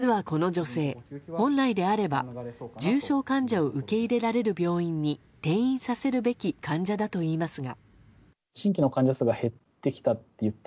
実は、この女性本来であれば重症患者を受け入れられる病院に転院させるべき患者だといいますが。